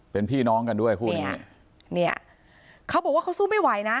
เป็นพี่น้องกันด้วยคู่เนี้ยเนี่ยเขาบอกว่าเขาสู้ไม่ไหวนะ